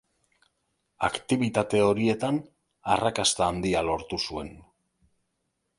Aktibitate horietan arrakasta handia lortu zuen.